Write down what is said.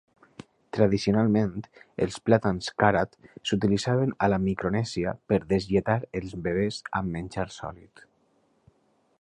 Tradicionalment, els plàtans Karat s'utilitzaven a la Micronèsia per deslletar els bebès amb menjar sòlid.